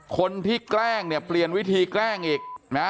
คนที่แกล้งเนี่ยเปลี่ยนวิธีแกล้งอีก